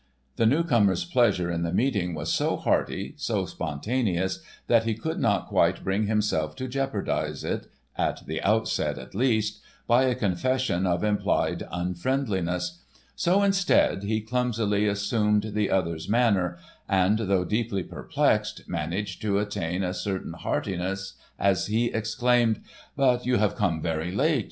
The newcomer's pleasure in the meeting was so hearty, so spontaneous, that he could not quite bring himself to jeopardise it—at the outset at least—by a confession of implied unfriendliness; so instead he clumsily assumed the other's manner, and, though deeply perplexed, managed to attain a certain heartiness as he exclaimed: "But you have come very late.